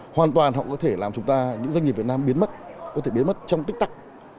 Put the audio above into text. hoàn toàn họ có thể làm chúng ta những doanh nghiệp việt nam biến mất có thể biến mất trong tích tắc